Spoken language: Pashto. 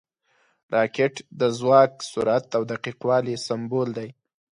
راکټ د ځواک، سرعت او دقیق والي سمبول دی